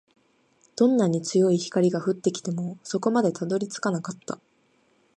どんなに強い光が降ってきても、底までたどり着かなかった